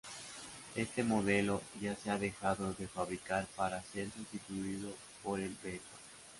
Éste modelo ya se ha dejado de fabricar para ser sustituido por el Vento.